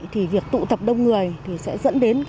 thì việc tụ tập đông người sẽ dẫn đến